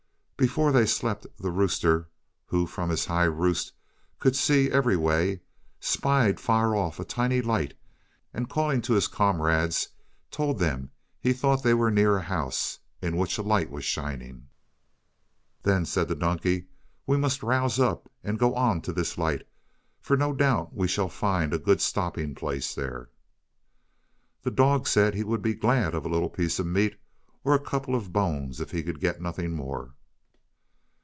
Before they slept the rooster, who from his high roost could see every way, spied far off a tiny light, and calling to his comrades told them he thought they were near a house in which a light was shining. "Then," said the donkey, "we must rouse up and go on to this light, for no doubt we shall find a good stopping place there." The dog said he would be glad of a little piece of meat, or a couple of bones if he could get nothing more.